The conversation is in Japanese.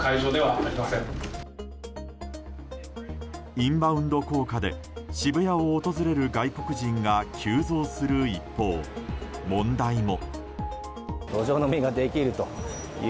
インバウンド効果で渋谷を訪れる外国人が急増する一方、問題も。